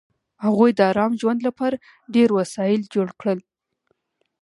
هغوی د ارام ژوند لپاره ډېر وسایل جوړ کړل